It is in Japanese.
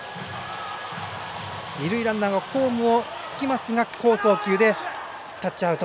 二塁ランナーがホームをつきますが好送球でタッチアウト。